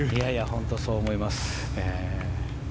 本当にそう思います。